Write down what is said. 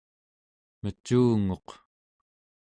mecunguq